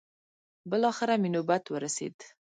بلاخره مې نوبت ورسېد.